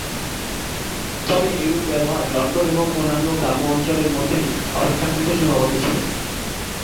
তবে এরূপ ব্যবহার লন্ডন এবং অন্যান্য গ্রাম্য অঞ্চলের মধ্যেই অপেক্ষাকৃত সীমাবদ্ধ ছিল।